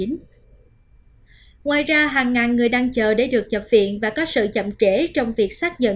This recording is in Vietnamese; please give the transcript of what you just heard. ngoài ra hàng ngàn người đang chờ để được chập viện